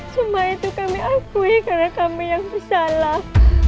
semua itu kami akui karena kami yang bersalah